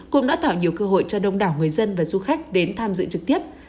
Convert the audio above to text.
cũng đã tạo nhiều cơ hội cho đông đảo người dân và du khách đến tham dự trực tiếp